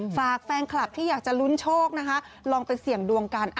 ฝากแฟนคลับที่อยากจะลุ้นโชคนะคะลองไปเสี่ยงดวงกัน